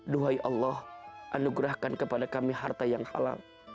duhai allah anugerahkan kepada kami harta yang halal